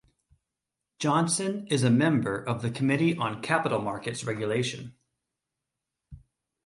Johnson is a member of the Committee on Capital Markets Regulation.